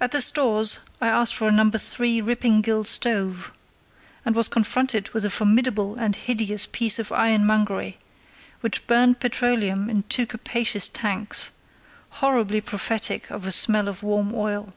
At the Stores I asked for a No. 3 Rippingille stove, and was confronted with a formidable and hideous piece of ironmongery, which burned petroleum in two capacious tanks, horribly prophetic of a smell of warm oil.